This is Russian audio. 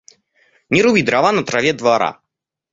Не руби дрова на траве двора.